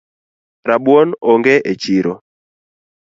Rabuon onge echiro